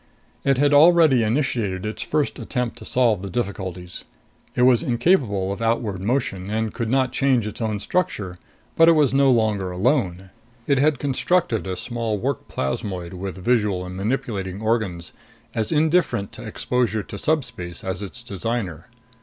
It had already initiated its first attempt to solve the difficulties. It was incapable of outward motion and could not change its own structure, but it was no longer alone. It had constructed a small work plasmoid with visual and manipulating organs, as indifferent to exposure to subspace as its designer.